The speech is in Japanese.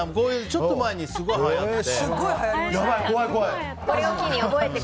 ちょっと前にすごいはやって。